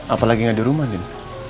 apalagi gak ada rumah din